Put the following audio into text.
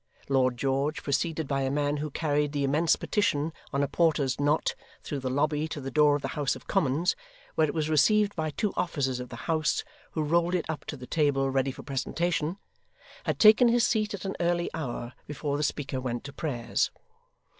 Lord George preceded by a man who carried the immense petition on a porter's knot through the lobby to the door of the House of Commons, where it was received by two officers of the house who rolled it up to the table ready for presentation had taken his seat at an early hour, before the Speaker went to prayers.